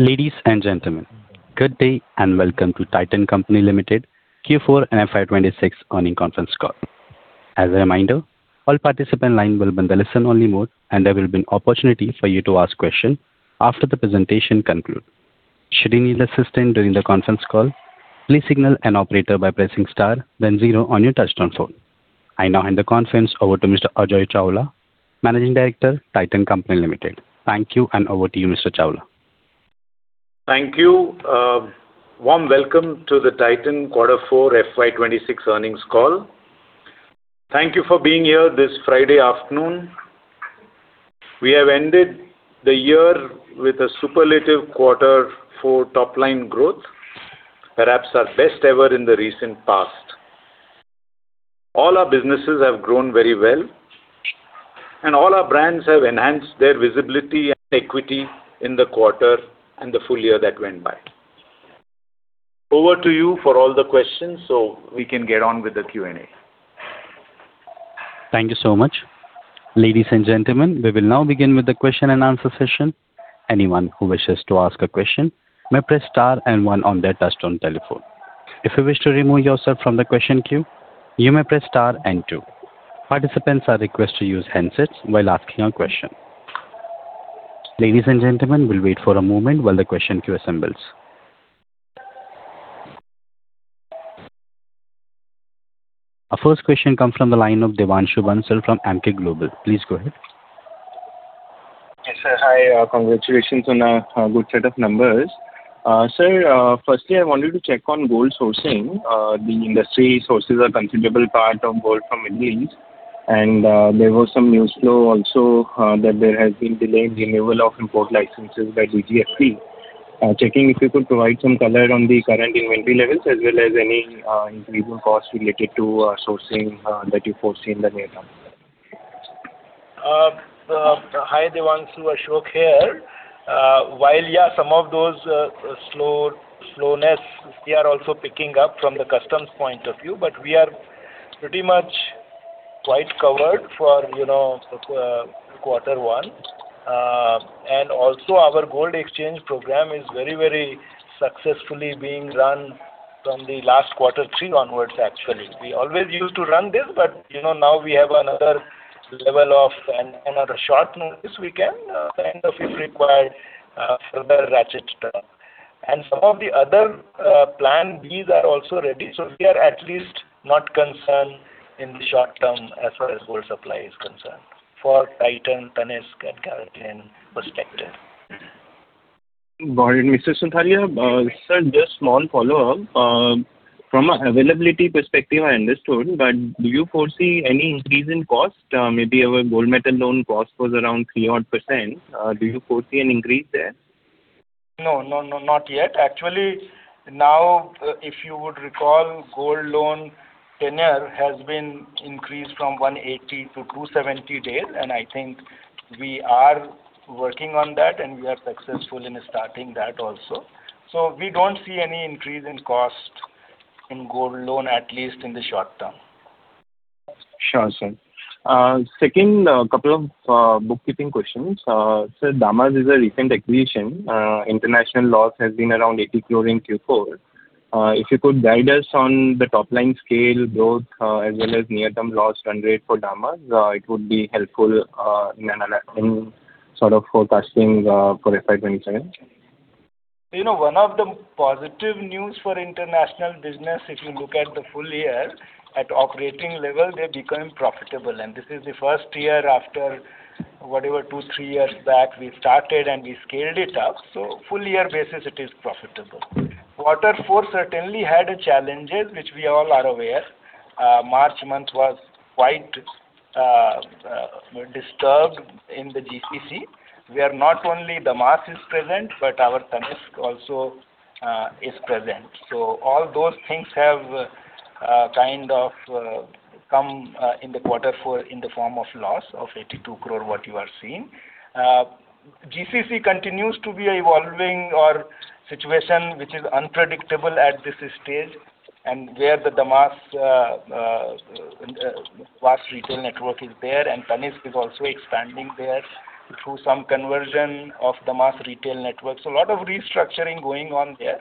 Ladies and gentlemen, good day and welcome to Titan Company Limited Q4 and FY 2026 earnings conference call. As a reminder, all participant line will be on the listening mode and there will be oppotunity for you to ask question, after presentation conclude. I now hand the conference over to Mr. Ajoy Chawla, Managing Director, Titan Company Limited. Thank you, and over to you, Mr. Chawla. Thank you. Warm welcome to the Titan Quarter four FY 2026 earnings call. Thank you for being here this Friday afternoon. We have ended the year with a superlative quarter for top line growth, perhaps our best ever in the recent past. All our businesses have grown very well, and all our brands have enhanced their visibility and equity in the quarter and the full year that went by. Over to you for all the questions so we can get on with the Q&A. Thank you so much. Ladies and gentlemen, we will now begin with the question and answer session. Anyone who wishes to ask a question may press Star and One on their touchtone telephone. If you wish to remove yourself from the question queue, you may press Star and Two. Participants are requested to use handsets while asking a question. Ladies and gentlemen, we'll wait for a moment while the question queue assembles. Our first question comes from the line of Devanshu Bansal from Emkay Global. Please go ahead. Yes, sir. Hi. Congratulations on a good set of numbers. Sir, firstly I wanted to check on gold sourcing. The industry sources a considerable part of gold from Middle East and there was some news flow also that there has been delayed renewal of import licenses by DGSP. Checking if you could provide some color on the current inventory levels as well as any increase in cost related to sourcing that you foresee in the near term. Hi, Devanshu. Ashok here. While, yeah, some of those slowness, they are also picking up from the customs point of view, we are pretty much quite covered for, you know, quarter one. Also our gold exchange program is very, very successfully being run from the last quarter three onwards actually. We always used to run this but, you know, now we have another level of and another short notice we can kind of if required further ratchet. Some of the other plan Bs are also ready. We are at least not concerned in the short term as far as gold supply is concerned for Titan, Tanishq and CaratLane perspective. Got it. Mr. Sonthalia, sir, just small follow-up. From availability perspective, I understood, but do you foresee any increase in cost? Maybe our gold metal loan cost was around three odd percent. Do you foresee an increase there? No, no, not yet. Actually, now, if you would recall, gold loan tenure has been increased from 180 to 270 days and I think we are working on that and we are successful in starting that also. We don't see any increase in cost in gold loan at least in the short term. Sir. Second, couple of bookkeeping questions. Sir, Damas is a recent acquisition. International loss has been around 80 crore in Q4. If you could guide us on the top line scale growth, as well as near-term loss run rate for Damas, it would be helpful in forecasting for FY 2027. You know, one of the positive news for international business if you look at the full year, at operating level they're becoming profitable and this is the first year after whatever, two, three years back we started and we scaled it up. Full year basis it is profitable. Quarter four certainly had challenges which we all are aware. March month was quite disturbed in the GCC where not only Damas is present but our Tanishq also is present. All those things have kind of come in the Quarter four in the form of loss of 82 crore what you are seeing. GCC continues to be evolving our situation which is unpredictable at this stage and where the Damas vast retail network is there and Tanishq is also expanding there through some conversion of Damas retail network. A lot of restructuring going on there.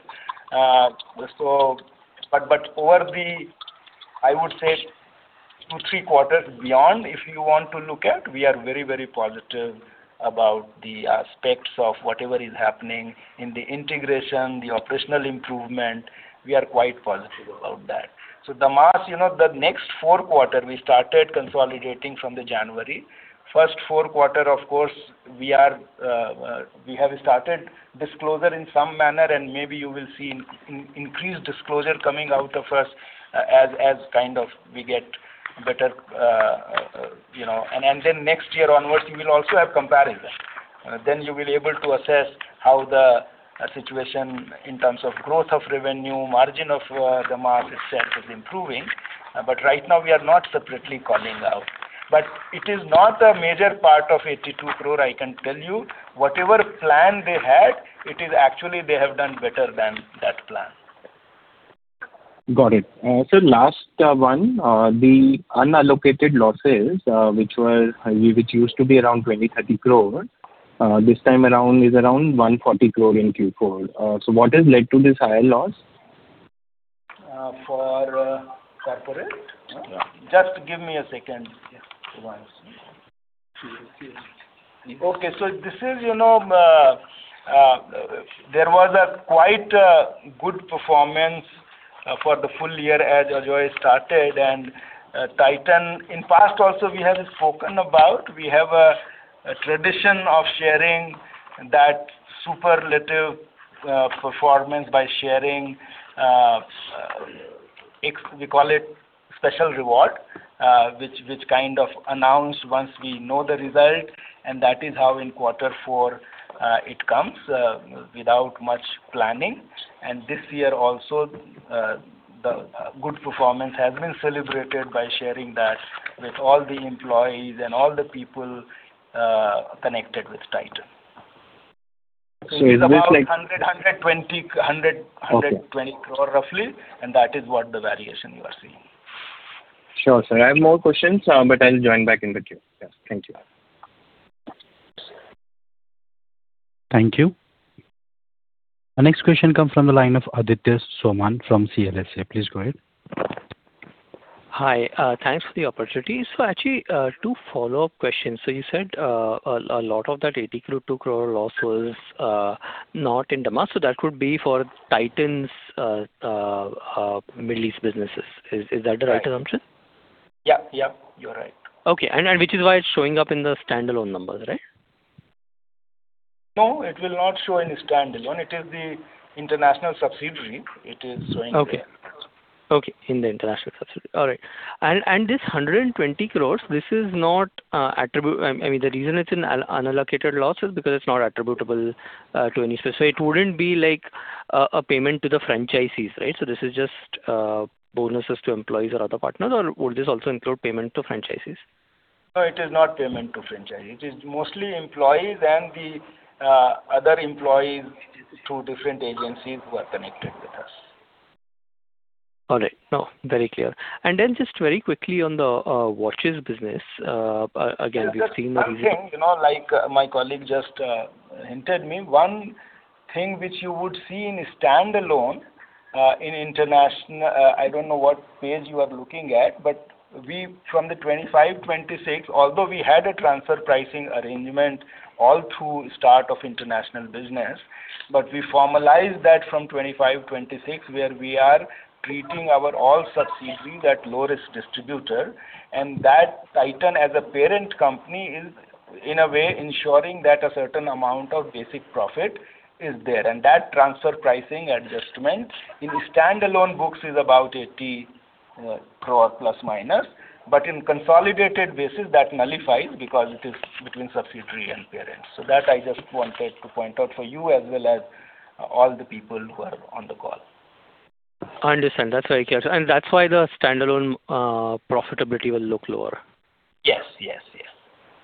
Over the, I would say two, three quarters beyond if you want to look at, we are very, very positive about the aspects of whatever is happening in the integration, the operational improvement. We are quite positive about that. Damas, you know, the next four quarter we started consolidating from the January. First four quarter of course we are, we have started disclosure in some manner and maybe you will see increased disclosure coming out of us as kind of we get better, you know. Then next year onwards you will also have comparison. Then you will able to assess how the situation in terms of growth of revenue, margin of Damas itself is improving. Right now we are not separately calling out. It is not a major part of 82 crore, I can tell you. Whatever plan they had it is actually they have done better than that plan. Got it. Last one, the unallocated losses, which were, which used to be around 20 crore-30 crore, this time around is around 140 crore in Q4. What has led to this higher loss? For corporate? Yeah. Just give me a second. Yeah. Okay. This is, you know, there was a quite good performance for the full year as Ajoy started and Titan In past also we have spoken about, we have a tradition of sharing that superlative performance by sharing we call it special reward, which kind of announce once we know the result, and that is how in quarter four, it comes without much planning. This year also, the good performance has been celebrated by sharing that with all the employees and all the people connected with Titan. Is this? It's about 120. Okay. 120 crore roughly, and that is what the variation you are seeing. Sure, sir. I have more questions, but I'll join back in the queue. Yes. Thank you. Thank you. Our next question comes from the line of Aditya Soman from CLSA. Please go ahead. Hi. Thanks for the opportunity. Actually, two follow-up questions. You said, a lot of that 80 crore to 2 crore loss was not in Damas. That could be for Titan's Middle East businesses. Is that the right assumption? Yeah. Yeah, you're right. Okay. Which is why it's showing up in the standalone numbers, right? No, it will not show in standalone. It is the international subsidiary. It is showing there. Okay. Okay. In the international subsidiary. All right. This 120 crores, this is not, I mean, the reason it's in unallocated loss is because it's not attributable to any specific. It wouldn't be like a payment to the franchisees, right? This is just bonuses to employees or other partners, or would this also include payment to franchisees? No, it is not payment to franchisee. It is mostly employees and the other employees through different agencies who are connected with us. All right. No, very clear. Then just very quickly on the watches business, again. That's something, you know, like my colleague just hinted me. One thing which you would see in standalone, in international, I don't know what page you are looking at, but we from the 2025, 2026, although we had a transfer pricing arrangement all through start of international business, but we formalized that from 2025, 2026, where we are treating our all subsidiaries at lowest distributor, and that Titan as a parent company is, in a way, ensuring that a certain amount of basic profit is there. That transfer pricing adjustment in standalone books is about ± 80 crore, but in consolidated basis that nullifies because it is between subsidiary and parent. That I just wanted to point out for you as well as all the people who are on the call. I understand. That's very clear. That's why the standalone profitability will look lower. Yes. Yes. Yes.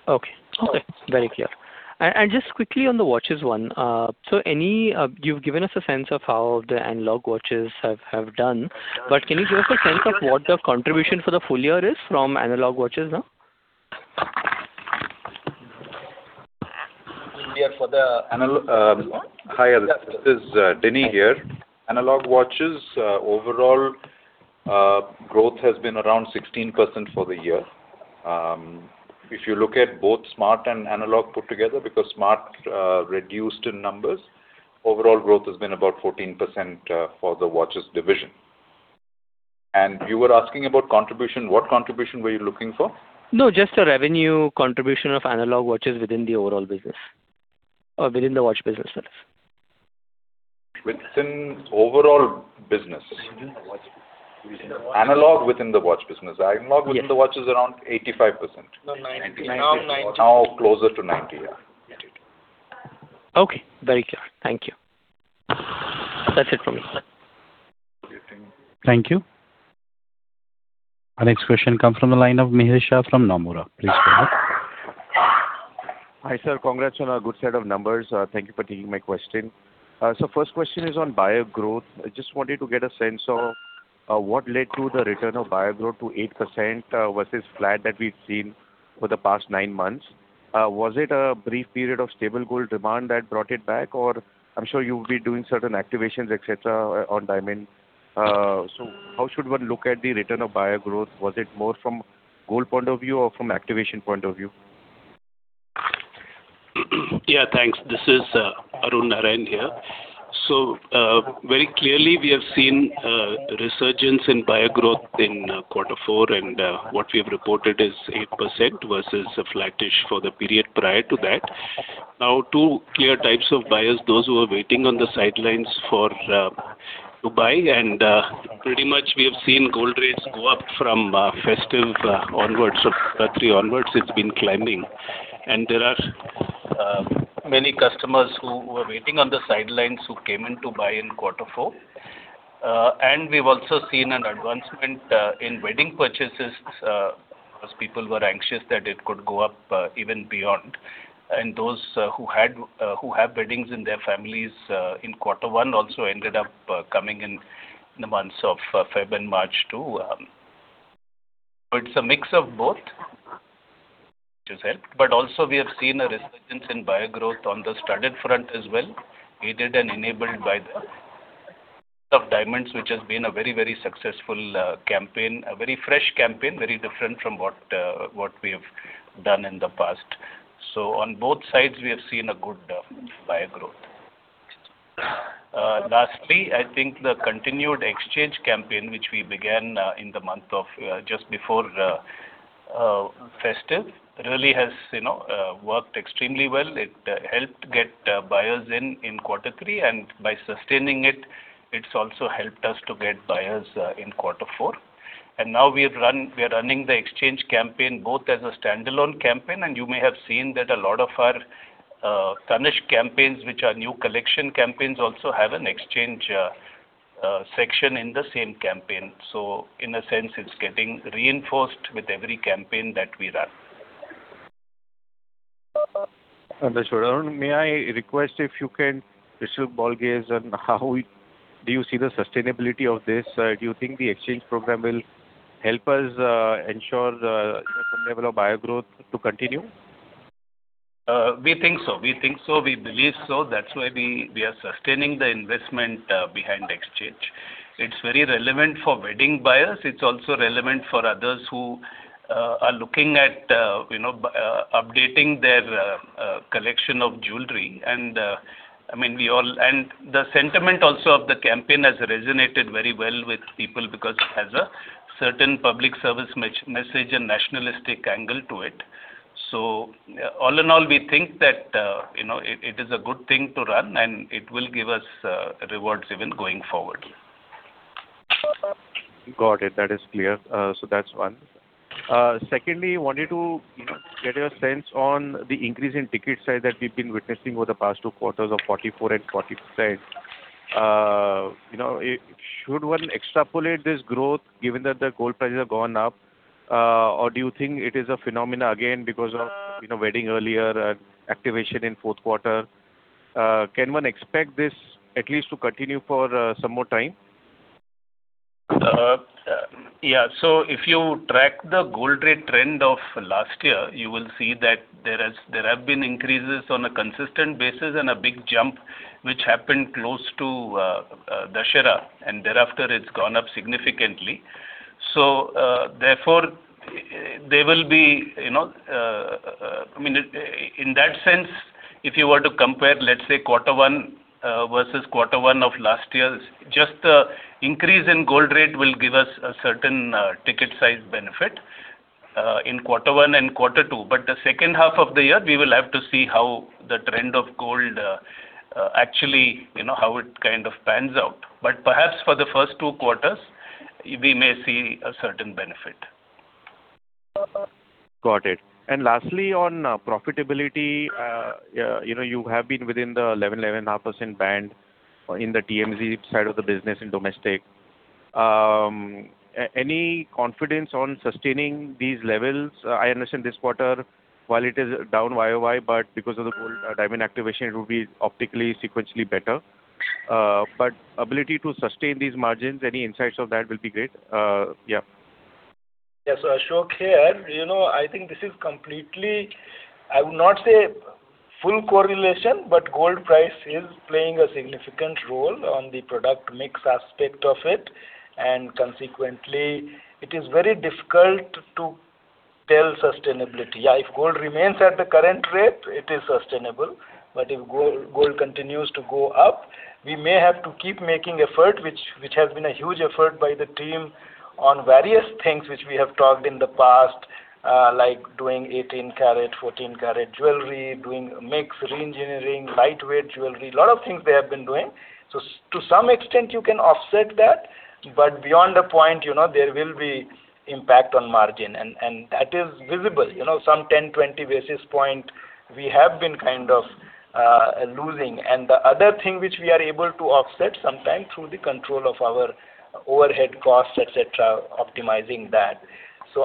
Okay. Yes. Okay. Very clear. Just quickly on the watches one, any, you've given us a sense of how the analog watches have done, but can you give us a sense of what the contribution for the full year is from analog watches now? Yeah, for the- Hi, this is Kuruvilla Markose here. Analog watches growth has been around 16% for the year. If you look at both smart and analog put together, because smart reduced in numbers, overall growth has been about 14% for the watches division. You were asking about contribution. What contribution were you looking for? No, just a revenue contribution of analog watches within the overall business or within the watch business itself. Within overall business. Within the watch business. Analog within the watch business. Yes. Within the watch is around 85%. No, 90. 90. Now 90. Now closer to 90. Yeah. 92. Okay. Very clear. Thank you. That's it from me. Thank you. Our next question comes from the line of Mihir Shah from Nomura. Please go ahead. Hi, sir. Congrats on a good set of numbers. Thank you for taking my question. First question is on buyer growth. I just wanted to get a sense of what led to the return of buyer growth to 8% versus flat that we've seen for the past nine months. Was it a brief period of stable gold demand that brought it back? Or I'm sure you'll be doing certain activations, et cetera, on diamond. How should one look at the return of buyer growth? Was it more from gold point of view or from activation point of view? Yeah, thanks. This is Arun Narayan here. Very clearly, we have seen resurgence in buyer growth in quarter four, what we have reported is 8% versus a flattish for the period prior to that. Two clear types of buyers, those who are waiting on the sidelines for to buy pretty much we have seen gold rates go up from festive onwards. Diwali onwards, it's been climbing. There are many customers who were waiting on the sidelines who came in to buy in quarter four. We've also seen an advancement in wedding purchases. People were anxious that it could go up, even beyond. Those who had, who have weddings in their families, in quarter one also ended up coming in the months of February and March too. It's a mix of both, which has helped. Also we have seen a resurgence in buyer growth on the studded front as well, aided and enabled by the of diamonds, which has been a very, very successful campaign. A very fresh campaign, very different from what we have done in the past. On both sides, we have seen a good buyer growth. Lastly, I think the continued exchange campaign, which we began in the month of, just before, festive really has, you know, worked extremely well. It helped get buyers in in quarter three. By sustaining it's also helped us to get buyers in quarter four. Now we are running the exchange campaign both as a standalone campaign. You may have seen that a lot of our Tanishq campaigns, which are new collection campaigns, also have an exchange section in the same campaign. In a sense, it's getting reinforced with every campaign that we run. Understood. Arun, may I request if you can crystal ball gaze on Do you see the sustainability of this? Do you think the exchange program will help us ensure, you know, some level of buyer growth to continue? We think so. We think so. We believe so. That's why we are sustaining the investment behind exchange. It's very relevant for wedding buyers. It's also relevant for others who are looking at, you know, updating their collection of jewelry. The sentiment also of the campaign has resonated very well with people because it has a certain public service message and nationalistic angle to it. All in all, we think that, you know, it is a good thing to run, and it will give us rewards even going forward. Got it. That is clear. That's one. Secondly, wanted to, you know, get your sense on the increase in ticket size that we've been witnessing over the past two quarters of 44 and 43. You know, should one extrapolate this growth given that the gold prices have gone up? Do you think it is a phenomenon again because of, you know, wedding earlier and activation in fourth quarter? Can one expect this at least to continue for, some more time? Yeah. If you track the gold rate trend of last year, you will see that there have been increases on a consistent basis and a big jump which happened close to Dussehra, and thereafter it is gone up significantly. Therefore, there will be, you know, I mean, in that sense, if you were to compare, let’s say quarter one versus quarter one of last year’s, just the increase in gold rate will give us a certain ticket size benefit in quarter one and quarter two. The second half of the year, we will have to see how the trend of gold actually, you know, how it kind of pans out. Perhaps for the first two quarters, we may see a certain benefit. Got it. Lastly, on profitability, you know, you have been within the 11.5% band in the TMZ side of the business in domestic. Any confidence on sustaining these levels? I understand this quarter, while it is down year-over-year, but because of the gold diamond activation it will be optically, sequentially better. Ability to sustain these margins, any insights of that will be great. Ashok here, you know, I think this is completely, I would not say full correlation, but gold price is playing a significant role on the product mix aspect of it. Consequently it is very difficult to tell sustainability. If gold remains at the current rate, it is sustainable. If gold continues to go up, we may have to keep making effort, which has been a huge effort by the team on various things which we have talked in the past, like doing 18 karat, 14 karat jewelry, doing mix reengineering, lightweight jewelry, a lot of things they have been doing. To some extent you can offset that. Beyond a point, you know, there will be impact on margin and that is visible. You know, some 10, 20 basis points we have been kind of losing. The other thing which we are able to offset sometime through the control of our overhead costs, et cetera, optimizing that.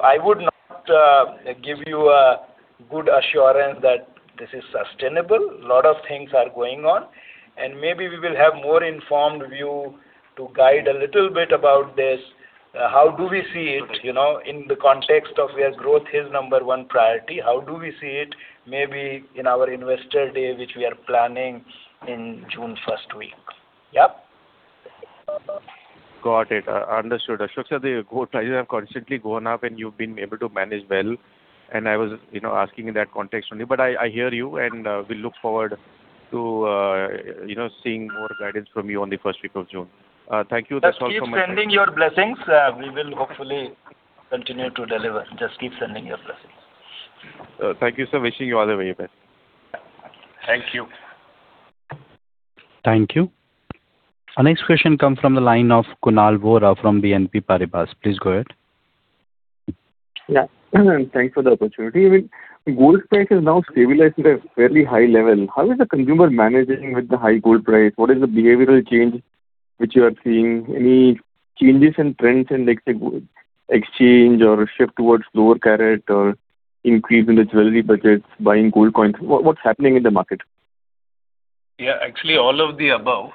I would not give you a good assurance that this is sustainable. A lot of things are going on, and maybe we will have more informed view to guide a little bit about this. How do we see it, you know, in the context of where growth is number one priority? How do we see it maybe in our Investor Day, which we are planning in June first week? Yeah. Got it. Understood. Ashok said the gold prices have constantly gone up and you've been able to manage well, and I was, you know, asking in that context only. I hear you and we look forward to, you know, seeing more guidance from you on the first week of June. Thank you. That's all from my side. Just keep sending your blessings. We will hopefully continue to deliver. Just keep sending your blessings. Thank you, sir. Wishing you all the very best. Thank you. Thank you. Our next question comes from the line of Kunal Vora from BNP Paribas. Please go ahead. Yeah. Thanks for the opportunity. Gold price has now stabilized at a fairly high level. How is the consumer managing with the high gold price? What is the behavioral change-Which you are seeing any changes in trends in the exchange or a shift towards lower karat or increase in the jewelry budgets, buying gold coins? What's happening in the market? Actually all of the above,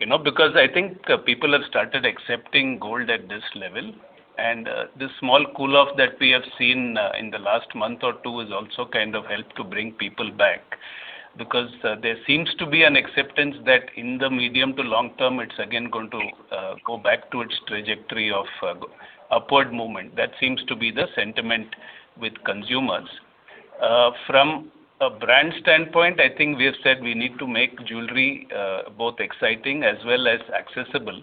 you know, I think people have started accepting gold at this level and this small cool off that we have seen in the last month or two has also kind of helped to bring people back. There seems to be an acceptance that in the medium to long term it's again going to go back to its trajectory of upward movement. That seems to be the sentiment with consumers. From a brand standpoint, I think we have said we need to make jewelry both exciting as well as accessible.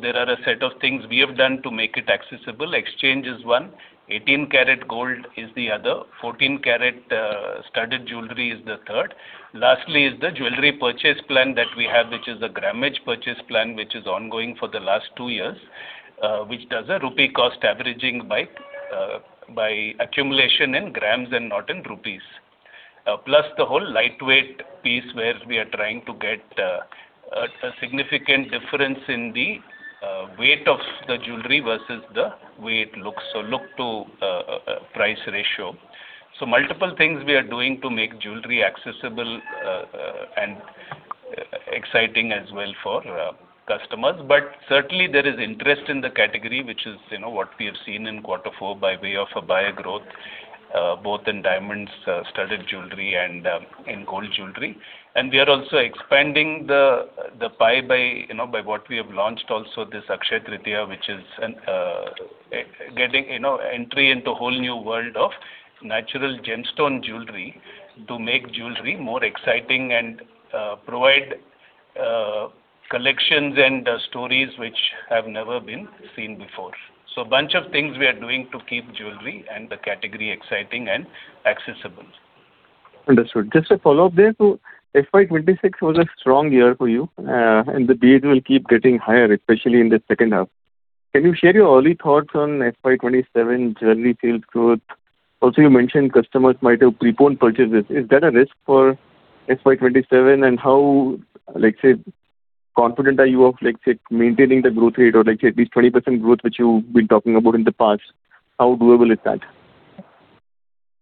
There are a set of things we have done to make it accessible. Exchange is one, 18 karat gold is the other, 14 karat studded jewelry is the third. Lastly is the jewelry purchase plan that we have, which is a grammage purchase plan, which is ongoing for the last two years, which does a rupee cost averaging by accumulation in grams and not in rupees. Plus the whole lightweight piece where we are trying to get a significant difference in the weight of the jewelry versus the way it looks. Look to price ratio. Multiple things we are doing to make jewelry accessible and exciting as well for customers. Certainly there is interest in the category, which is, you know, what we have seen in quarter four by way of a buyer growth, both in diamonds, studded jewelry and in gold jewelry. We are also expanding the pie by, you know, by what we have launched also this Akshaya Tritiya, which is an getting, you know, entry into a whole new world of natural gemstone jewelry to make jewelry more exciting and provide collections and stories which have never been seen before. Bunch of things we are doing to keep jewelry and the category exciting and accessible. Understood. Just a follow-up there. FY 2026 was a strong year for you, and the base will keep getting higher, especially in the second half. Can you share your early thoughts on FY 2027 jewelry sales growth? Also, you mentioned customers might have preponed purchases. Is that a risk for FY 2027? How, let's say, confident are you of, let's say, maintaining the growth rate or let's say this 20% growth which you've been talking about in the past? How doable is that?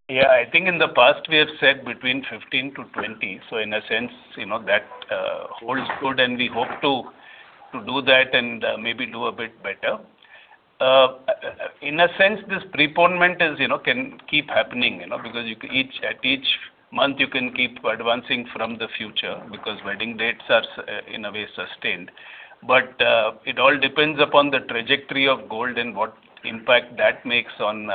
Yeah, I think in the past we have said between 15 to 20. In a sense, you know, that holds good and we hope to do that and maybe do a bit better. In a sense, this preponement is, you know, can keep happening, you know, because you can each, at each month you can keep advancing from the future because wedding dates are in a way sustained. It all depends upon the trajectory of gold and what impact that makes on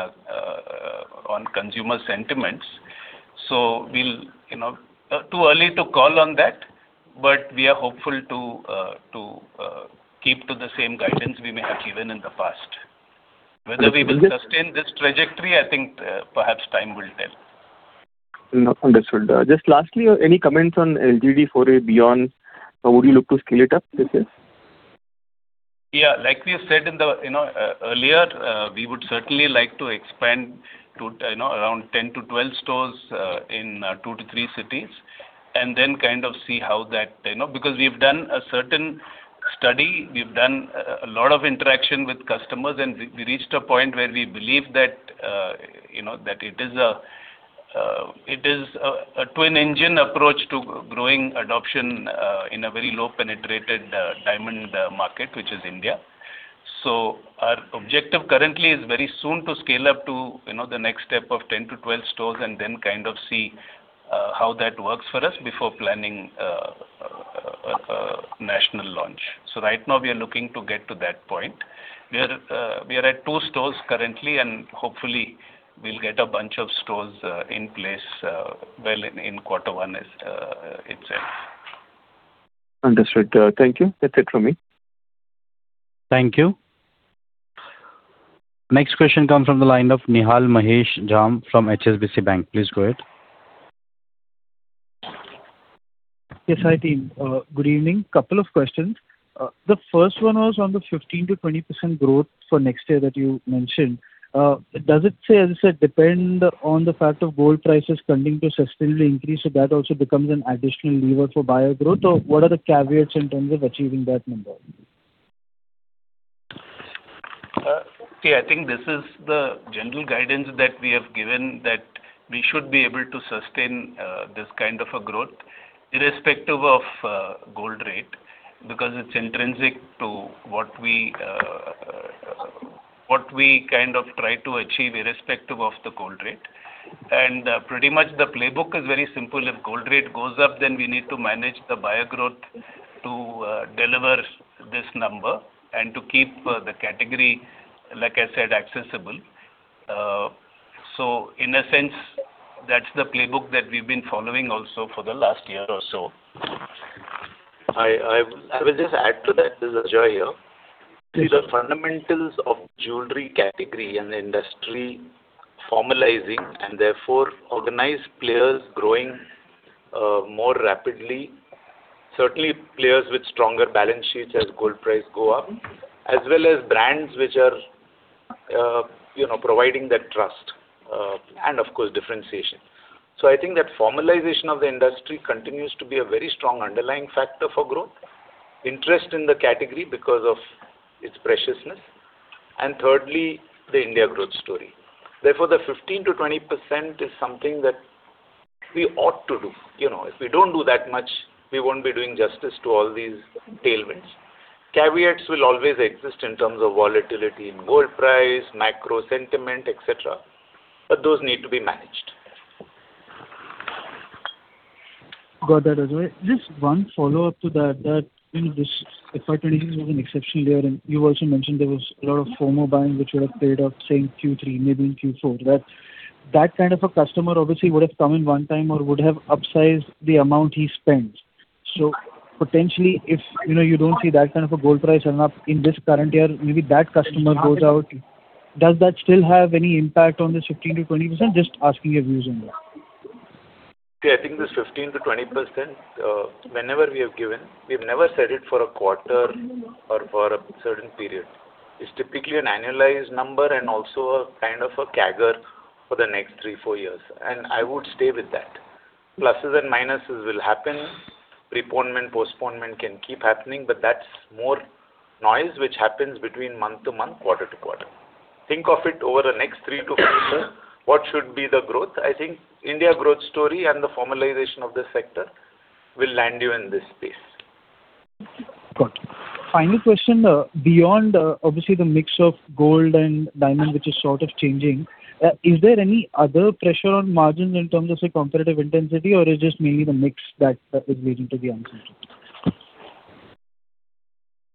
consumer sentiments. We'll, you know, too early to call on that, but we are hopeful to keep to the same guidance we may have given in the past. Whether we will sustain this trajectory, I think, perhaps time will tell. No, understood. Just lastly, any comments on LGD for a beYon? Would you look to scale it up this year? Yeah. Like we said in the, you know, earlier, we would certainly like to expand to, you know, around 10 to 12 stores, in two to three cities and then kind of see how that, you know. Because we've done a certain study, we've done a lot of interaction with customers, and we reached a point where we believe that, you know, that it is a twin engine approach to growing adoption, in a very low penetrated, diamond, market, which is India. Our objective currently is very soon to scale up to, you know, the next step of 10 to 12 stores and then kind of see, how that works for us before planning, a national launch. Right now we are looking to get to that point. We are at two stores currently, and hopefully we'll get a bunch of stores in place, well, in quarter one is itself. Understood. Thank you. That's it from me. Thank you. Next question comes from the line of Nihal Mahesh Jham from HSBC Bank. Please go ahead. Yes, hi team. good evening. Couple of questions. The first one was on the 15%-20% growth for next year that you mentioned. Does it say, as you said, depend on the fact of gold prices continuing to sustainably increase, so that also becomes an additional lever for buyer growth? What are the caveats in terms of achieving that number? Okay. I think this is the general guidance that we have given that we should be able to sustain this kind of a growth irrespective of gold rate, because it's intrinsic to what we, what we kind of try to achieve irrespective of the gold rate. Pretty much the playbook is very simple. If gold rate goes up, then we need to manage the buyer growth to deliver this number and to keep the category, like I said, accessible. In a sense, that's the playbook that we've been following also for the last year or so. I will just add to that. This is Ajoy here. Please. The fundamentals of jewelry category and industry formalizing and therefore organized players growing more rapidly. Certainly players with stronger balance sheets as gold price go up, as well as brands which are, you know, providing that trust. Of course, differentiation. I think that formalization of the industry continues to be a very strong underlying factor for growth. Interest in the category because of its preciousness, and thirdly, the India growth story. Therefore, the 15%-20% is something that we ought to do. You know, if we don't do that much, we won't be doing justice to all these tailwinds. Caveats will always exist in terms of volatility in gold price, macro sentiment, et cetera, but those need to be managed. Got that, Ajoy. Just one follow-up to that, you know, this FY 2023 was an exceptional year. You also mentioned there was a lot of FOMO buying which would have paid off, say, in Q3, maybe in Q4. That kind of a customer obviously would have come in one time or would have upsized the amount he spends. Potentially, if, you know, you don't see that kind of a gold price run up in this current year, maybe that customer goes out. Does that still have any impact on the 15%-20%? Just asking your views on that. See, I think this 15%-20%, whenever we have given, we've never said it for a quarter or for a certain period. It's typically an annualized number and also a kind of a CAGR for the next three, four years, and I would stay with that. Pluses and minuses will happen. Preponement, postponement can keep happening, but that's more noise which happens between month to month, quarter to quarter. Think of it over the next three to five years, what should be the growth. I think India growth story and the formalization of the sector will land you in this space. Got you. Final question, beyond, obviously the mix of gold and diamond which is sort of changing, is there any other pressure on margins in terms of, say, competitive intensity or is just mainly the mix that is leading to the answer?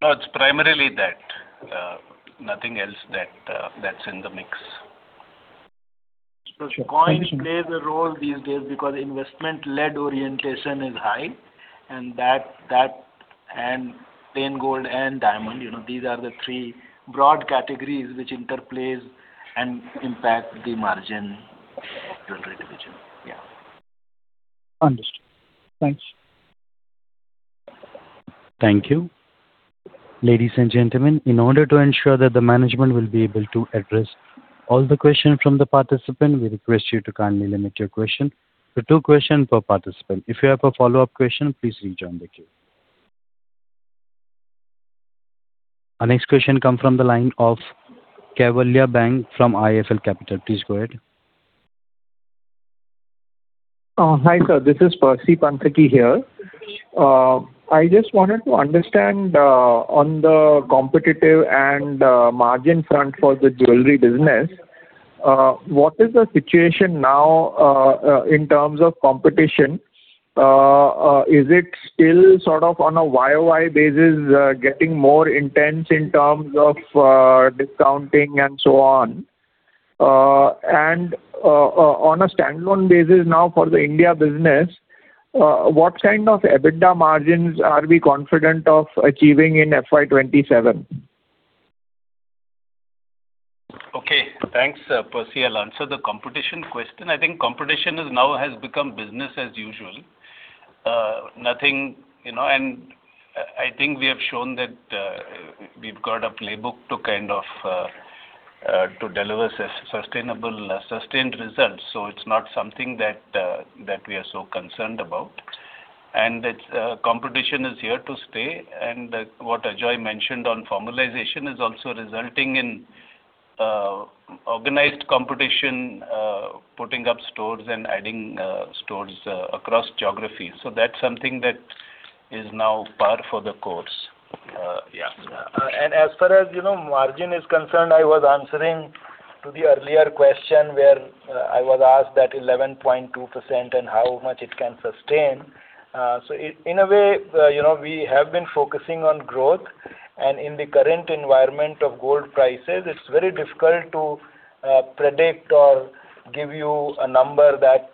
No, it's primarily that. nothing else that's in the mix. Sure. Thank you. Coins play a role these days because investment-led orientation is high, and that and plain gold and diamond, you know, these are the three broad categories which interplays and impact the margin Jewellery Division. Understood. Thanks. Thank you. Ladies and gentlemen, in order to ensure that the management will be able to address all the questions from the participant, we request you to kindly limit your question to two question per participant. If you have a follow-up question, please rejoin the queue. Our next question come from the line of Kaivalya Gawankar from IIFL Capital. Please go ahead. Hi, sir. This is Percy Panthaki here. I just wanted to understand on the competitive and margin front for the jewelry business, what is the situation now in terms of competition? Is it still sort of on a year-over-year basis getting more intense in terms of discounting and so on? And on a standalone basis now for the India business, what kind of EBITDA margins are we confident of achieving in FY 2027? Okay. Thanks, Percy. I'll answer the competition question. I think competition has become business as usual. nothing, you know I think we have shown that we've got a playbook to kind of to deliver sustainable, sustained results. It's not something that we are so concerned about. It's, competition is here to stay. What Ajoy mentioned on formalization is also resulting in organized competition, putting up stores and adding stores across geographies. That's something that is now par for the course. Yeah. As far as, you know, margin is concerned, I was answering to the earlier question where I was asked that 11.2% and how much it can sustain. So in a way, you know, we have been focusing on growth, and in the current environment of gold prices, it's very difficult to predict or give you a number that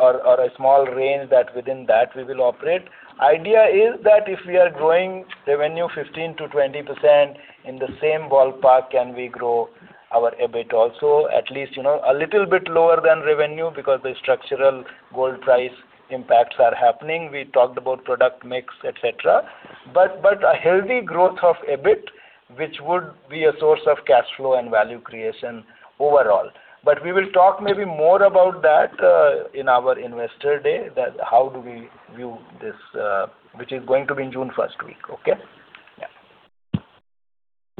or a small range that within that we will operate. Idea is that if we are growing revenue 15%-20% in the same ballpark, can we grow our EBIT also. At least, you know, a little bit lower than revenue because the structural gold price impacts are happening. We talked about product mix, et cetera. But a healthy growth of EBIT, which would be a source of cash flow and value creation overall. We will talk maybe more about that, in our Investor Day, that how do we view this, which is going to be in June first week. Okay? Yeah.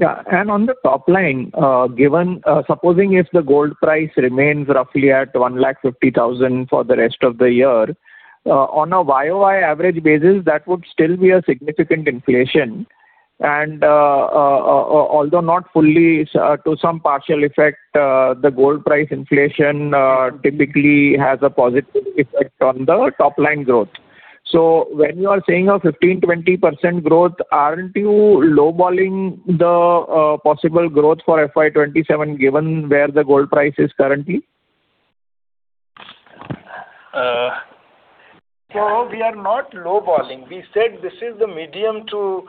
Yeah. On the top line, given, supposing if the gold price remains roughly at 150,000 for the rest of the year, on a year-over-year average basis, that would still be a significant inflation. Although not fully, to some partial effect, the gold price inflation typically has a positive effect on the top-line growth. When you are saying a 15%-20% growth, aren't you low-balling the possible growth for FY 2027, given where the gold price is currently? We are not low-balling. We said this is the medium to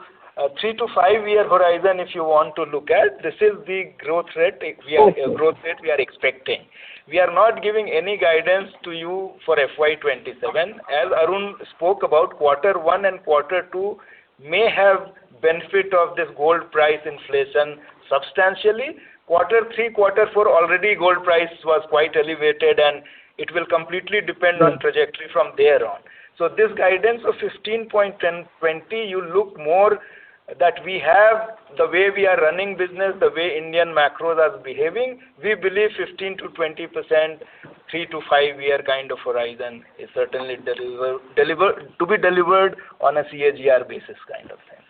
three to five-year horizon if you want to look at. Okay. Growth rate we are expecting. We are not giving any guidance to you for FY 2027. As Arun spoke about quarter one and quarter two may have benefit of this gold price inflation substantially. Quarter three, quarter four already gold price was quite elevated, and it will completely depend- On trajectory from there on. This guidance of 15 point 10 20, you look more that we have the way we are running business, the way Indian macros are behaving, we believe 15% to 20%, three to five year kind of horizon is certainly to be delivered on a CAGR basis kind of thing.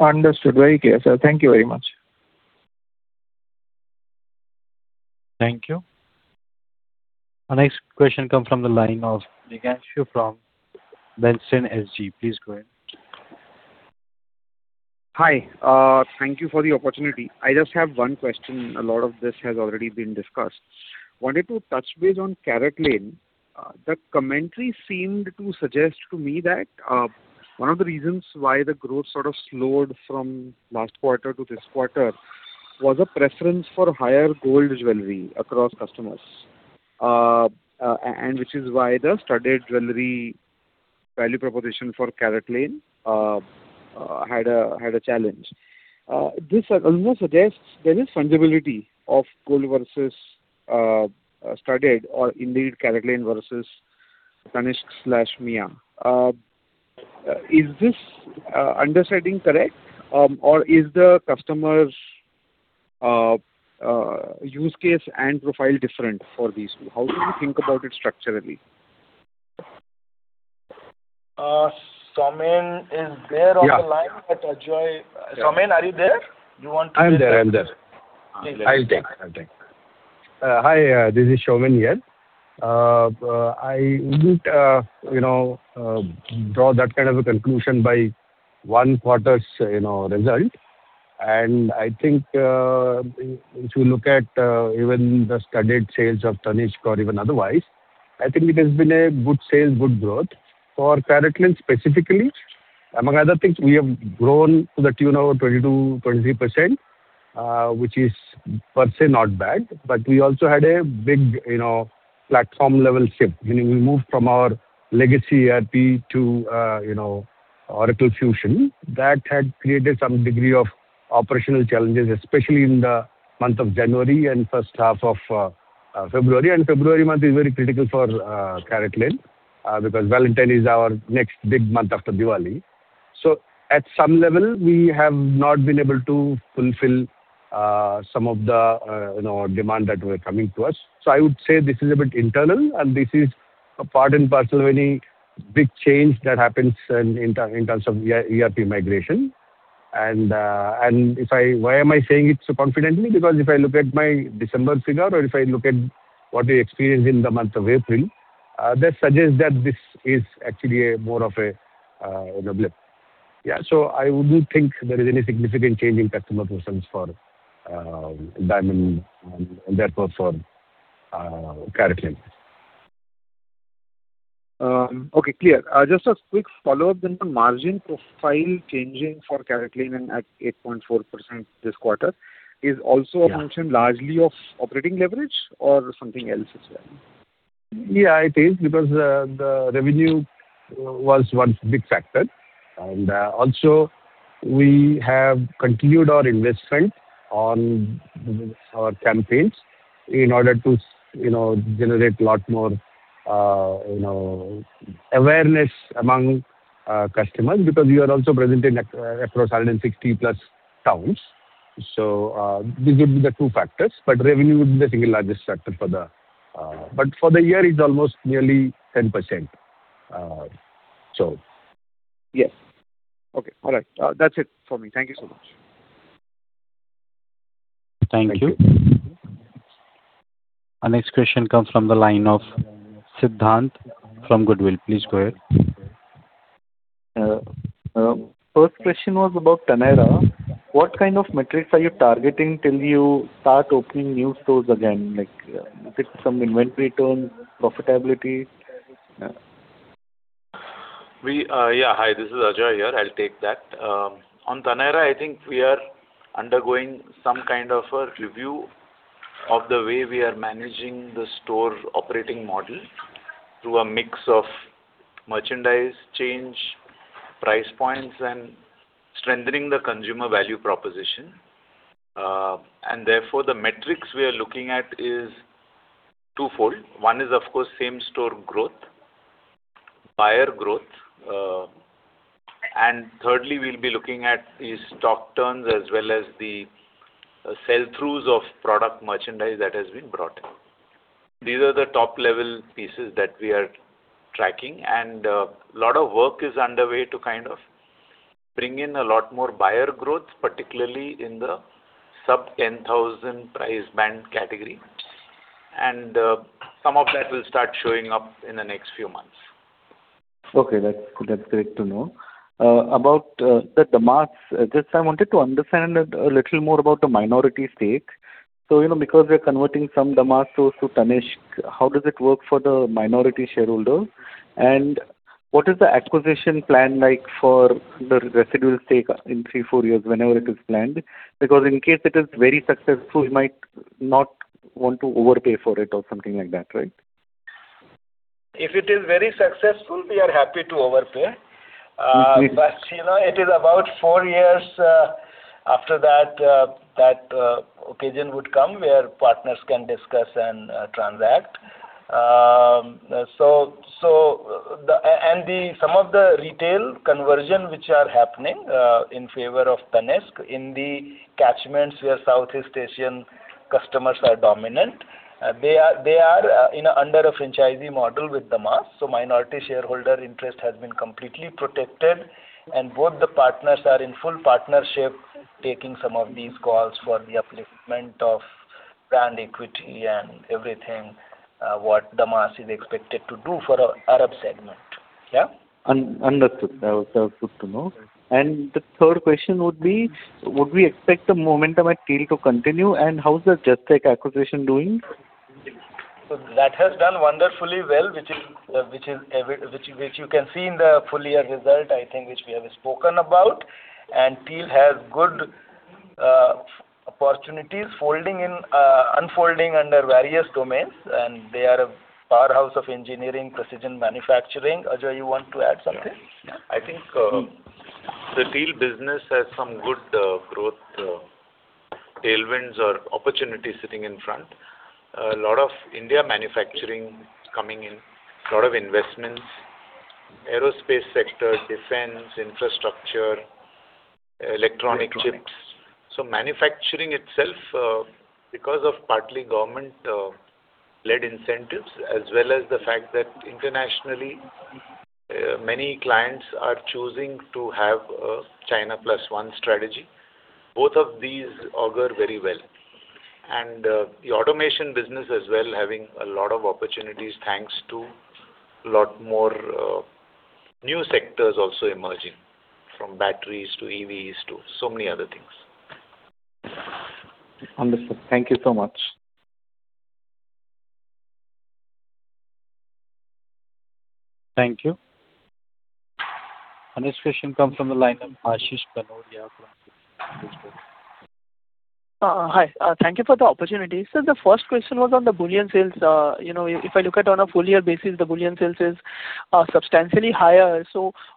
Understood. Very clear, sir. Thank you very much. Thank you. Our next question comes from the line of Niganshu from Bernstein SG. Please go ahead. Hi. Thank you for the opportunity. I just have one question. A lot of this has already been discussed. Wanted to touch base on CaratLane. The commentary seemed to suggest to me that one of the reasons why the growth sort of slowed from last quarter to this quarter was a preference for higher gold jewelry across customers. And which is why the studded jewelry value proposition for CaratLane had a challenge. This also suggests there is fungibility of gold versus studded or indeed CaratLane versus Tanishq slash Mia. Is this understanding correct? Or is the customer's use case and profile different for these two? How do you think about it structurally? Soumen is there on the line. Yeah. Ajoy Soumen, are you there? You want to? I'm there. I'm there. Please. I'll take. I'll take. Hi, this is Soumen here. I wouldn't, you know, draw that kind of a conclusion by one quarter's, you know, result. I think, if you look at, even the studded sales of Tanishq or even otherwise, I think it has been a good sales, good growth. For CaratLane specifically, among other things, we have grown to the tune of 20%-23%, which is per se not bad. We also had a big, you know, platform-level shift, meaning we moved from our legacy ERP to, you know, Oracle Fusion. That had created some degree of operational challenges, especially in the month of January and first half of February. February month is very critical for CaratLane, because Valentine is our next big month after Diwali. At some level, we have not been able to fulfill, some of the, you know, demand that were coming to us. I would say this is a bit internal, and this is a part and parcel of any big change that happens in terms of ERP migration. Why am I saying it so confidently? If I look at my December figure or if I look at what we experienced in the month of April, that suggests that this is actually a more of a, you know, blip. Yeah. I wouldn't think there is any significant change in customer preference for, diamond and therefore for, CaratLane. Okay. Clear. Just a quick follow-up on margin profile changing for CaratLane and at 8.4% this quarter. Yeah. Function largely of operating leverage or something else as well? It is because the revenue was one big factor. Also we have continued our investment on our campaigns in order to you know, generate a lot more, you know, awareness among customers because we are also present in across 160+ towns. These would be the two factors, but revenue would be the single largest factor for the. For the year, it's almost nearly 10%. Yes. Okay. All right. That's it for me. Thank you so much. Thank you. Our next question comes from the line of Siddhant from Goodwill. Please go ahead. First question was about Taneira. What kind of metrics are you targeting till you start opening new stores again? Like, is it some inventory turns, profitability? Hi, this is Ajoy here. I'll take that. On Taneira, I think we are undergoing some kind of a review of the way we are managing the store operating model through a mix of merchandise change, price points, and strengthening the consumer value proposition. Therefore, the metrics we are looking at is twofold. One is, of course, same-store growth, buyer growth. Thirdly, we'll be looking at the stock turns as well as the sell-throughs of product merchandise that has been brought in. These are the top-level pieces that we are tracking. A lot of work is underway to kind of bring in a lot more buyer growth, particularly in the sub 10,000 price band category. Some of that will start showing up in the next few months. That's, that's great to know. About the Damas, just I wanted to understand a little more about the minority stake. You know, because we are converting some Damas stores to Tanishq, how does it work for the minority shareholder? What is the acquisition plan like for the residual stake in three to four years, whenever it is planned? In case it is very successful, you might not want to overpay for it or something like that, right? If it is very successful, we are happy to overpay. You know, it is about four years after that occasion would come where partners can discuss and transact. Some of the retail conversion which are happening in favor of Tanishq in the catchments where Southeast Asian customers are dominant, they are, you know, under a franchisee model with Damas. Minority shareholder interest has been completely protected. Both the partners are in full partnership taking some of these calls for the upliftment of brand equity and everything, what Damas is expected to do for Arab segment. That was good to know. The third question would be, would we expect the momentum at TEAL to continue, and how is the Justech acquisition doing? That has done wonderfully well, which is which you can see in the full year result, I think, which we have spoken about. TEAL has good opportunities folding in, unfolding under various domains, and they are a powerhouse of engineering precision manufacturing. Ajoy, you want to add something? I think, the TEAL business has some good, growth, tailwinds or opportunities sitting in front. A lot of India manufacturing coming in, lot of investments, aerospace sector, defense, infrastructure, electronic chips. Manufacturing itself, because of partly government, led incentives, as well as the fact that internationally, many clients are choosing to have a China plus one strategy. Both of these augur very well. The automation business as well, having a lot of opportunities thanks to a lot more, new sectors also emerging, from batteries to EVs to so many other things. Understood. Thank you so much. Thank you. Next question comes from the line of Ashish Kanodia from Citi. Hi. Thank you for the opportunity. The first question was on the bullion sales. You know, if I look at on a full year basis, the bullion sales is substantially higher.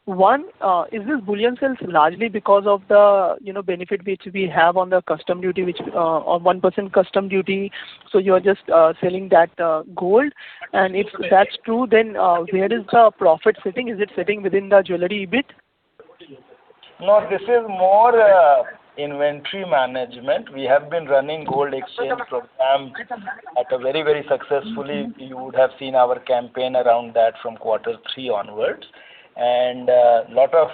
One, is this bullion sales largely because of the, you know, benefit which we have on the custom duty, which on 1% custom duty, so you're just selling that gold? If that's true, then where is the profit sitting? Is it sitting within the Jewellery EBIT? No, this is more, inventory management. We have been running gold exchange program at a very, very successfully. You would have seen our campaign around that from quarter three onwards. Lot of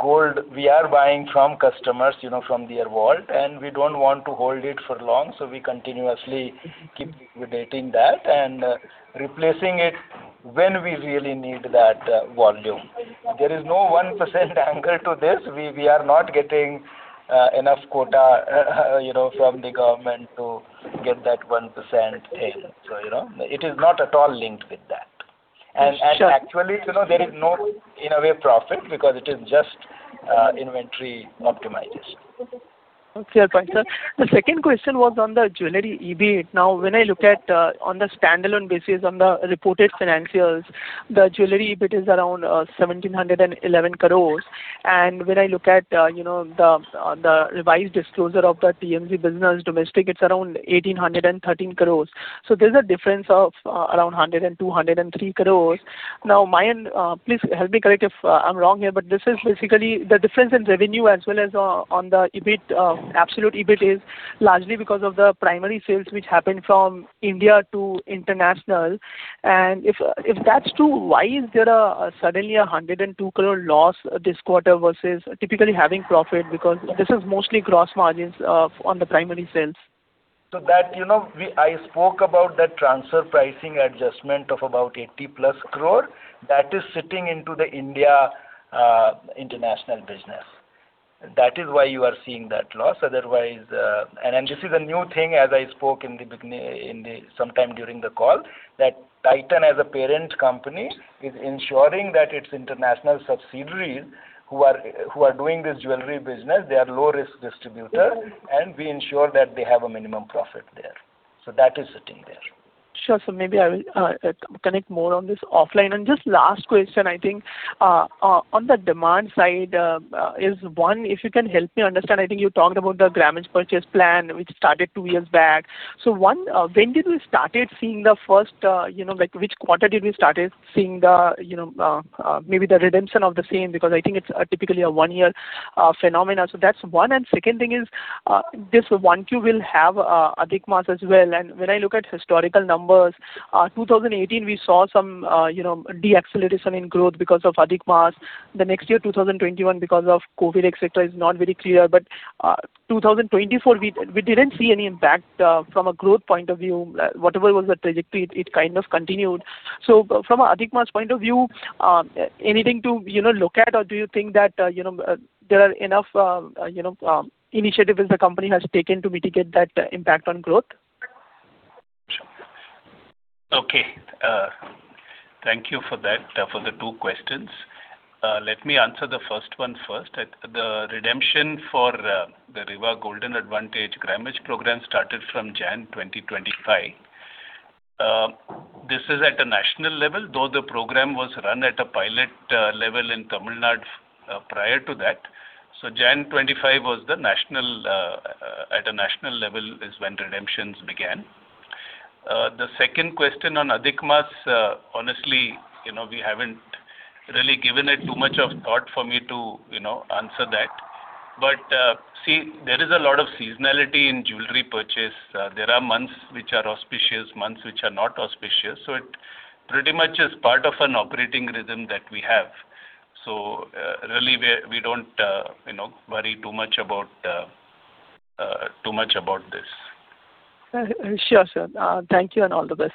gold we are buying from customers, you know, from their vault, and we don't want to hold it for long, so we continuously keep liquidating that and replacing it when we really need that, volume. There is no 1% angle to this. We are not getting enough quota, you know, from the government to get that 1% thing. You know, it is not at all linked with that. Sure. Actually, you know, there is no, in a way, profit because it is just inventory optimization. Clear point, sir. The second question was on the Jewellery EBIT. When I look at on the standalone basis on the reported financials, the Jewellery EBIT is around 1,711 crore. When I look at, you know, the revised disclosure of the TMZ business domestic, it's around 1,813 crore. There's a difference of around 102 crore-103 crore. Please help me correct if I'm wrong here, but this is basically the difference in revenue as well as on the EBIT, absolute EBIT is largely because of the primary sales which happened from India to international. If that's true, why is there suddenly an 102 crore loss this quarter versus typically having profit? This is mostly gross margins on the primary sales. That, you know, I spoke about that transfer pricing adjustment of about 80 plus crore. That is sitting into the India, international business. That is why you are seeing that loss. Otherwise, this is a new thing, as I spoke sometime during the call, that Titan as a parent company is ensuring that its international subsidiaries who are, who are doing this jewelry business, they are low-risk distributors- We ensure that they have a minimum profit there. That is sitting there. Sure. Maybe I will connect more on this offline. Just last question, I think on the demand side is one, if you can help me understand, I think you talked about the grammage purchase plan which started two years back. One, when did we started seeing the first, you know, like which quarter did we started seeing the, you know, maybe the redemption of the same? Because I think it's typically a one-year phenomena. That's one. Second thing is, this one Q will have Adhik Maas as well. When I look at historical numbers, 2018 we saw some, you know, deceleration in growth because of Adhik Maas. The next year, 2021, because of COVID, et cetera, is not very clear. 2024, we didn't see any impact from a growth point of view. Whatever was the trajectory, it kind of continued. From Adhik Maas point of view, anything to, you know, look at? Or do you think that, you know, there are enough, you know, initiatives the company has taken to mitigate that impact on growth? Sure. Okay. Thank you for that, for the two questions. Let me answer the first one first. The redemption for the Rivaah Golden Advantage grammage program started from January 2025. This is at a national level, though the program was run at a pilot level in Tamil Nadu prior to that. January 25 was the national, at a national level is when redemptions began. The second question on Adhik Maas, honestly, you know, we haven't really given it too much thought for me to, you know, answer that. See, there is a lot of seasonality in jewelry purchase. There are months which are auspicious, months which are not auspicious. It pretty much is part of an operating rhythm that we have. Really, we don't, you know, worry too much about this. Sure. Thank you and all the best.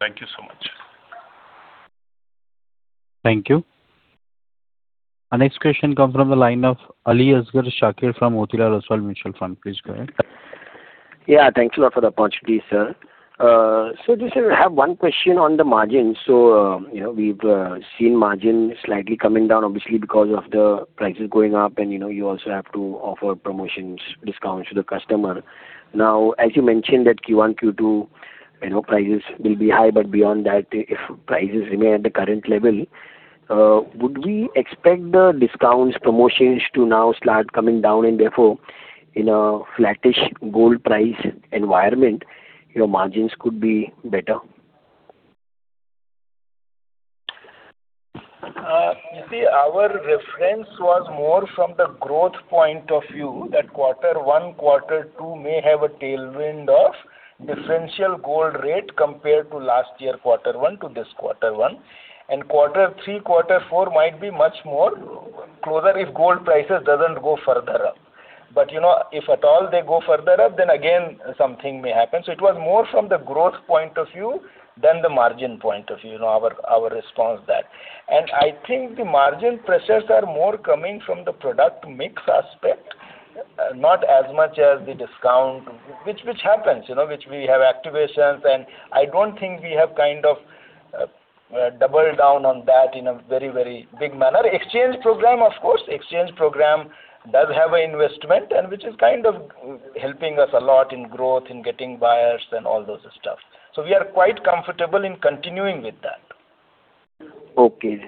Thank you so much. Thank you. Our next question comes from the line of Aliasgar Shakir from Motilal Oswal Mutual Fund. Please go ahead. Yeah, thanks a lot for the opportunity, sir. Just I have onre question on the margin. You know, we've seen margin slightly coming down obviously because of the prices going up and, you know, you also have to offer promotions, discounts to the customer. Now, as you mentioned that Q1, Q2, you know, prices will be high, beyond that, if prices remain at the current level, would we expect the discounts, promotions to now start coming down and therefore in a flattish gold price environment, you know, margins could be better? You see, our reference was more from the growth point of view that quarter one, quarter two may have a tailwind of differential gold rate compared to last year quarter one to this quarter one. Quarter three, quarter four might be much more closer if gold prices doesn't go further up. You know, if at all they go further up, then again something may happen. It was more from the growth point of view than the margin point of view, you know, our response there. I think the margin pressures are more coming from the product mix aspect, not as much as the discount which happens, you know, which we have activations. I don't think we have kind of, doubled down on that in a very, very big manner. Exchange program, of course, exchange program does have an investment and which is kind of helping us a lot in growth, in getting buyers and all those stuff. We are quite comfortable in continuing with that. Okay.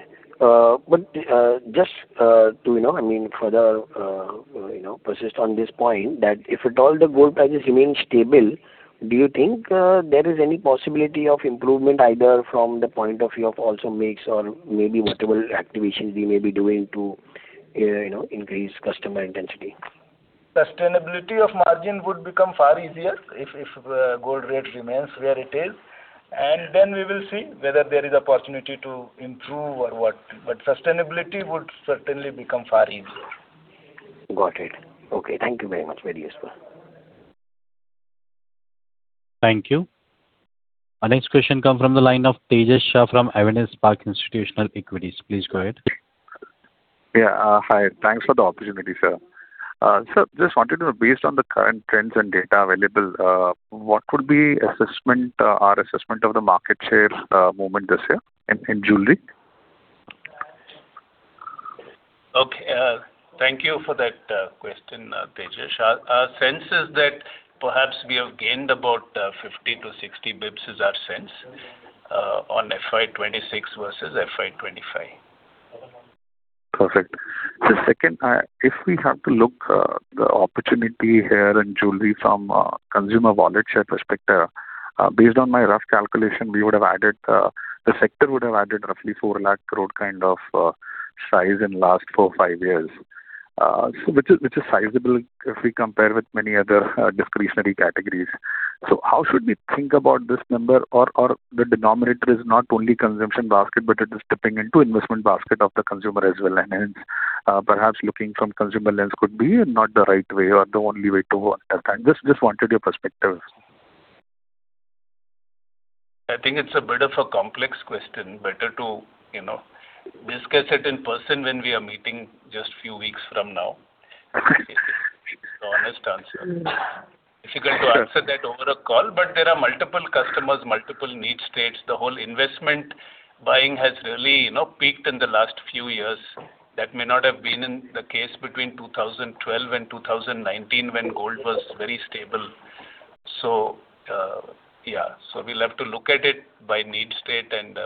Just, to, you know, I mean, further, you know, persist on this point that if at all the gold prices remain stable, do you think, there is any possibility of improvement either from the point of view of also mix or maybe whatever activations you may be doing to, you know, increase customer intensity? Sustainability of margin would become far easier if gold rate remains where it is, and then we will see whether there is opportunity to improve or what. Sustainability would certainly become far easier. Got it. Okay. Thank you very much. Very useful. Thank you. Our next question come from the line of Tejash Shah from Spark Capital. Please go ahead. Yeah. Hi. Thanks for the opportunity, sir. Sir, just wanted to Based on the current trends and data available, what would be our assessment of the market share movement this year in jewelry? Okay. Thank you for that question, Tejash. Our sense is that perhaps we have gained about 50 to 60 basis points is our sense on FY 2026 versus FY 2025. Perfect. Sir, second, if we have to look, the opportunity here in jewelry from a consumer wallet share perspective, based on my rough calculation, we would have added, the sector would have added roughly 4 lakh crore kind of, size in last foue to five years. Which is sizable if we compare with many other, discretionary categories. How should we think about this number? The denominator is not only consumption basket, but it is dipping into investment basket of the consumer as well. Perhaps looking from consumer lens could be not the right way or the only way to understand. Just wanted your perspective. I think it's a bit of a complex question. Better to, you know, discuss it in person when we are meeting just few weeks from now. This is the honest answer. Difficult to answer that over a call. There are multiple customers, multiple need states. The whole investment buying has really, you know, peaked in the last few years. That may not have been in the case between 2012 and 2019 when gold was very stable. Yeah. We'll have to look at it by need state and,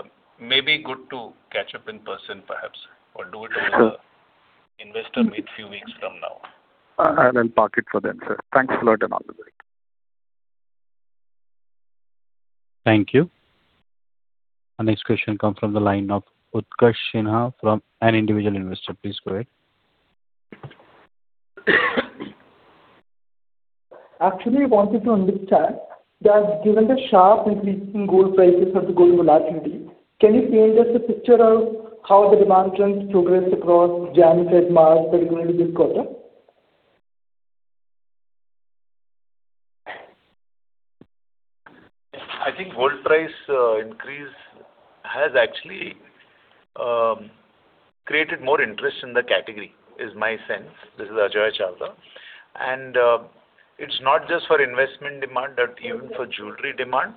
maybe good to catch up in person perhaps or do it over- Sure. An Investor Meet few weeks from now. I will park it for then, sir. Thanks a lot and all the best. Thank you. Our next question come from the line of Utkarsh Sinha from an individual investor. Please go ahead. Actually, I wanted to understand that given the sharp increase in gold prices of the gold jewelry category, can you paint us a picture of how the demand trends progressed across January, February, March, particularly this quarter? I think gold price increase has actually created more interest in the category, is my sense. This is Ajoy Chawla. It's not just for investment demand, but even for jewelry demand,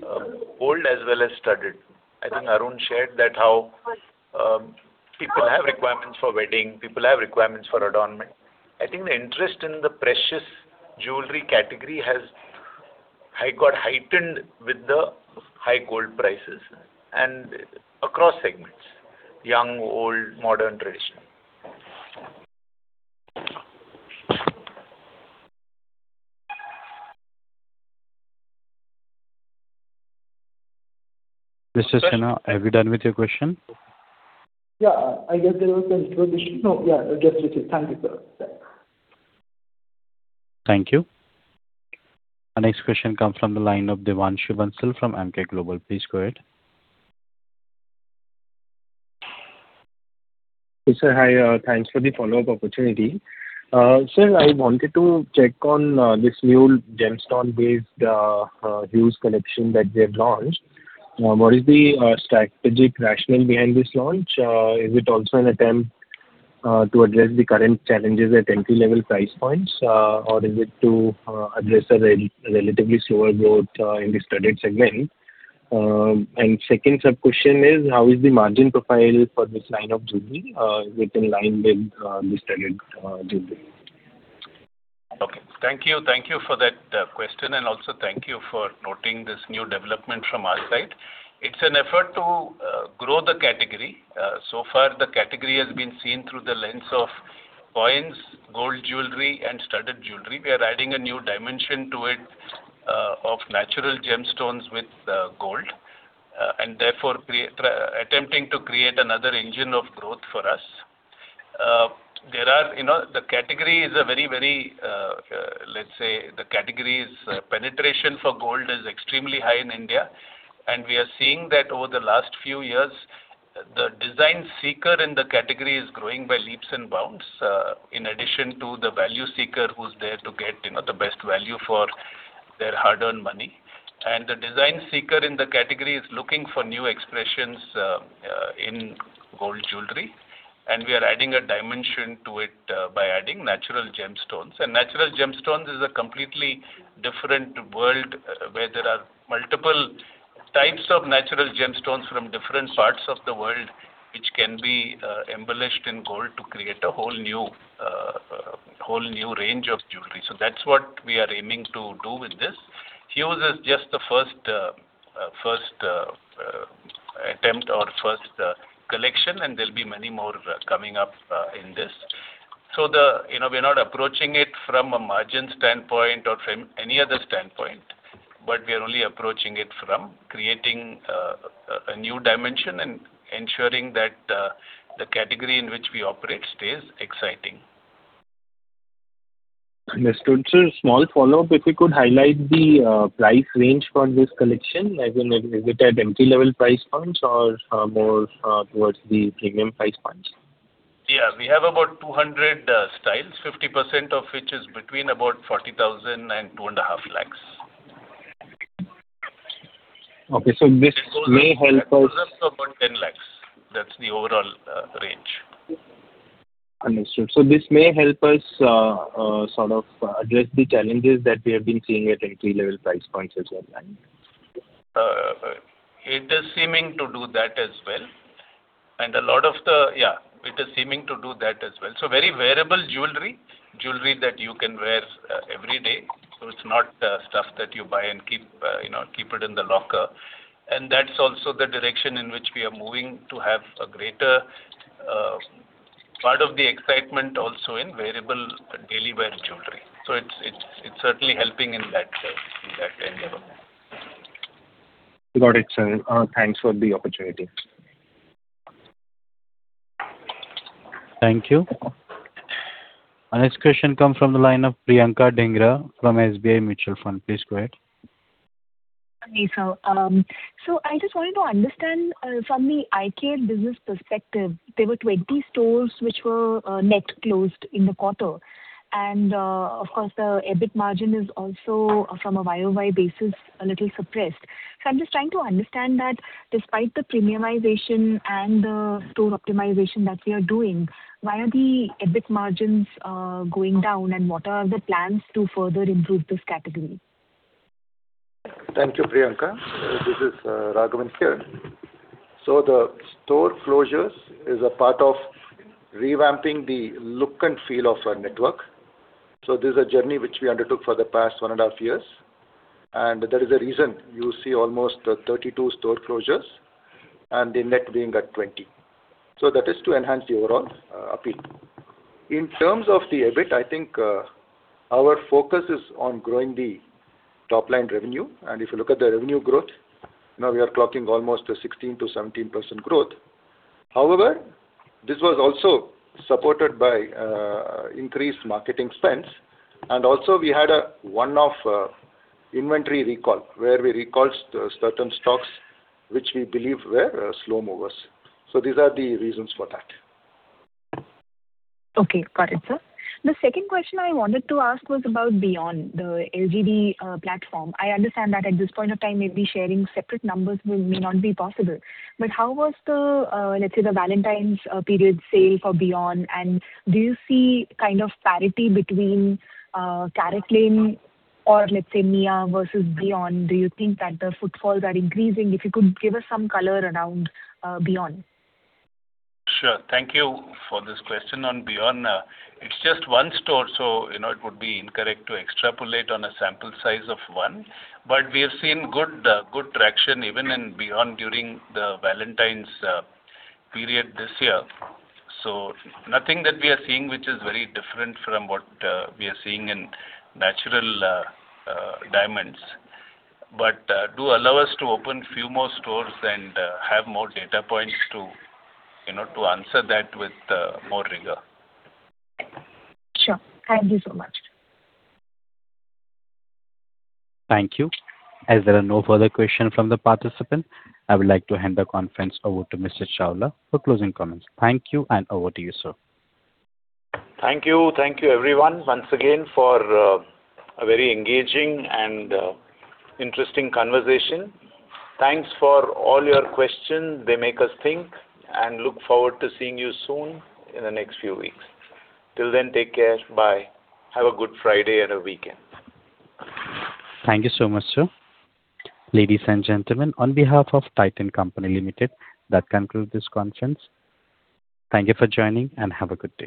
gold as well as studded. I think Arun Narayan shared that how people have requirements for wedding, people have requirements for adornment. I think the interest in the precious jewelry category has had got heightened with the high gold prices and across segments, young, old, modern, traditional. Mr. Sinha, are you done with your question? Yeah. I guess there was a tradition. No, yeah, I guess we could. Thank you, sir. Thank you. Our next question comes from the line of Devanshu Bansal from Emkay Global. Please go ahead. Yes, sir. Hi. Thanks for the follow-up opportunity. Sir, I wanted to check on this new gemstone-based Hues collection that they have launched. What is the strategic rationale behind this launch? Is it also an attempt to address the current challenges at entry-level price points, or is it to address a relatively slower growth in the studded segment? Second sub-question is how is the margin profile for this line of jewelry within line with the studded jewelry? Okay. Thank you. Thank you for that question, and also thank you for noting this new development from our side. It's an effort to grow the category. So far the category has been seen through the lens of coins, gold jewelry, and studded jewelry. We are adding a new dimension to it, of natural gemstones with gold, and therefore attempting to create another engine of growth for us. There are, you know, the category is a very, very, let's say, the category's penetration for gold is extremely high in India, and we are seeing that over the last few years the design seeker in the category is growing by leaps and bounds, in addition to the value seeker who's there to get, you know, the best value for their hard-earned money. The design seeker in the category is looking for new expressions in gold jewelry, and we are adding a dimension to it by adding natural gemstones. Natural gemstones is a completely different world where there are multiple types of natural gemstones from different parts of the world which can be embellished in gold to create a whole new range of jewelry. That's what we are aiming to do with this. Hues is just the first attempt or first collection, and there'll be many more coming up in this. You know, we are not approaching it from a margin standpoint or from any other standpoint, but we are only approaching it from creating a new dimension and ensuring that the category in which we operate stays exciting. Understood, sir. Small follow-up. If you could highlight the price range for this collection. As in, is it at entry-level price points or more towards the premium price points? Yeah. We have about 200 styles, 50% of which is between about 40,000 and two and a half lakhs. Okay. This may help us. It goes up to about 10 lakhs. That's the overall range. Understood. This may help us sort of address the challenges that we have been seeing at entry-level price points as well then? It is seeming to do that as well. Yeah, it is seeming to do that as well. Very wearable jewelry that you can wear every day. It's not stuff that you buy and keep, you know, keep it in the locker. That's also the direction in which we are moving to have a greater part of the excitement also in wearable daily wear jewelry. It's certainly helping in that in that end level. Got it, sir. Thanks for the opportunity. Thank you. Our next question comes from the line of Priyanka Dhingra from SBI Mutual Fund. Please go ahead. Okay, sir. I just wanted to understand from the IC business perspective, there were 20 stores which were net closed in the quarter. Of course, the EBIT margin is also from a YoY basis a little suppressed. I am just trying to understand that despite the premiumization and the store optimization that we are doing, why are the EBIT margins going down, and what are the plans to further improve this category? Thank you, Priyanka. This is Raghu here. The store closures is a part of revamping the look and feel of our network. There is a reason you see almost 32 store closures and the net being at 20. That is to enhance the overall appeal. In terms of the EBIT, I think our focus is on growing the top line revenue. If you look at the revenue growth, now we are clocking almost a 16%-17% growth. However, this was also supported by increased marketing spends. Also we had a one-off inventory recall where we recalled certain stocks which we believe were slow movers. These are the reasons for that. Okay. Got it, sir. The second question I wanted to ask was about beYon, the LGD platform. I understand that at this point of time maybe sharing separate numbers will may not be possible. How was the, let's say, the Valentine's period sale for beYon, and do you see kind of parity between CaratLane or let's say, Mia versus beYon? Do you think that the footfalls are increasing? If you could give us some color around beYon? Sure. Thank you for this question on beYon. It's just one store, so, you know, it would be incorrect to extrapolate on a sample size of one. We have seen good traction even in beYon during the Valentine's period this year. Nothing that we are seeing which is very different from what we are seeing in natural diamonds. Do allow us to open few more stores and have more data points to, you know, to answer that with more rigor. Sure. Thank you so much. Thank you. As there are no further question from the participant, I would like to hand the conference over to Mr. Chawla for closing comments. Thank you, and over to you, sir. Thank you. Thank you everyone once again for a very engaging and interesting conversation. Thanks for all your questions. They make us think, and look forward to seeing you soon in the next few weeks. Till then, take care. Bye. Have a good Friday and a weekend. Thank you so much, sir. Ladies and gentlemen, on behalf of Titan Company Limited, that concludes this conference. Thank you for joining, and have a good day.